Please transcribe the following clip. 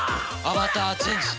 アバターチェンジ。